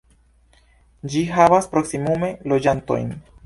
Ĝi havas proksimume loĝantojn.